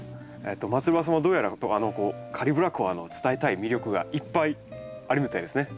松原さんはどうやらカリブラコアの伝えたい魅力がいっぱいあるみたいですね。